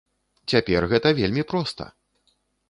Цяпер гэта вельмі проста!